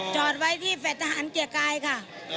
จอดไว้ที่แฟลตทหารเกียรกายค่ะ